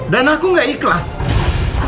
pergi kamu dari sini